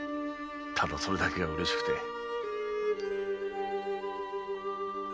ただそれだけが嬉しくて。